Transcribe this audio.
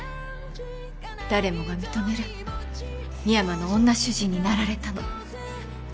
誰もが認める深山の女主人になられたの。